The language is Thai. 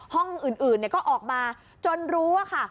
ห้องอื่นก็ออกมาจนรู้ว่าค่ะ